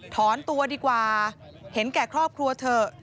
ถอนตัวดีกว่าเห็นแก่ครอบครัวเถอะ